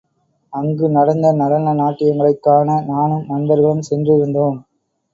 அங்கு நடந்த நடன நாட்டியங்களைக் காண நானும் நண்பர்களும் சென்றிருந்தோம்.